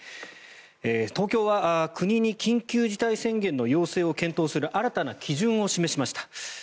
東京は国に緊急事態宣言の要請を検討する新たな基準を示しました。